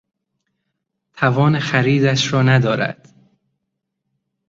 توان خریدش را ندارد.